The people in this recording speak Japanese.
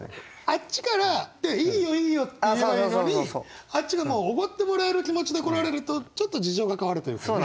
あっちから「いいよいいよ」って言えばいいのにあっちがもうおごってもらえる気持ちで来られるとちょっと事情が変わるというかね。